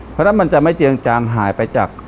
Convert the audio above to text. เพราะฉะนั้นมันจะไม่เจืองจางหายไปจาก